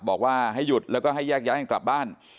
บอกว่าให้หยุดแล้วก็ให้แยกย้ายกันกลับบ้าน